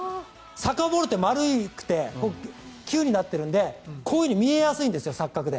サッカーボールって丸くて球になっているのでこういうふうに見えやすいんです錯覚で。